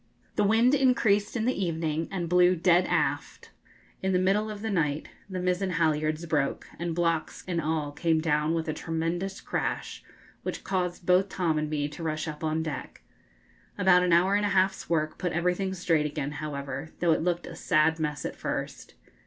The wind increased in the evening and blew dead aft. In the middle of the night the mizen halyards broke, and blocks and all came down with a tremendous crash, which caused both Tom and me to rush up on deck. About an hour and a half's work put everything straight again, however, though it looked a sad mess at first.